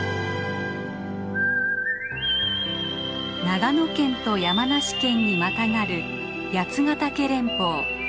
長野県と山梨県にまたがる八ヶ岳連峰。